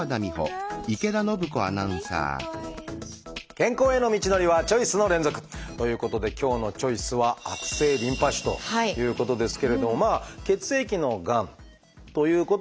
健康への道のりはチョイスの連続！ということで今日の「チョイス」は血液のがんということは何となく分かっているし